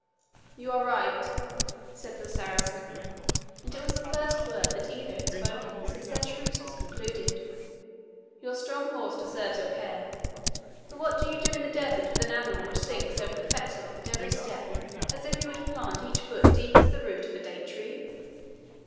"You are right," said the Saracen and it was the first word that either had spoken since their truce was concluded; "your strong horse deserves your care. But what do you in the desert with an animal which sinks over the fetlock at every step as if he would plant each foot deep as the root of a date tree?"